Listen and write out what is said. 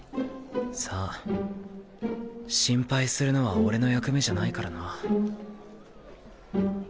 さぁ心配するのは俺の役目じゃないからな。